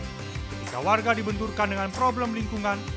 ketika warga dibenturkan dengan problem lingkungan